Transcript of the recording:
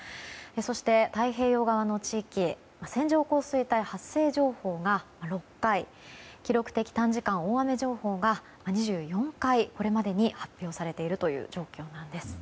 そして太平洋側の地域線状降水帯発生情報が６回記録的短時間大雨情報が２４回これまでに発表されているという状況なんです。